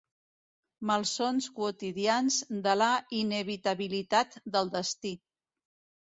Malsons quotidians de la inevitabilitat del destí.